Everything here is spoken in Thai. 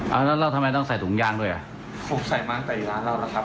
แล้วแล้วทำไมต้องใส่ถุงยางด้วยอ่ะผมใส่มาตั้งแต่ร้านเหล้าแล้วครับ